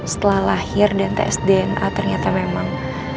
setelah lahir dan tes dna ternyata memang